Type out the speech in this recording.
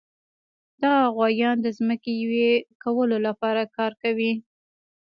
دغه غوایان د ځمکې یوې کولو لپاره کار کوي.